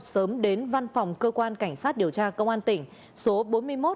sớm đến văn phòng cơ quan cảnh sát điều tra công an tỉnh số bốn mươi một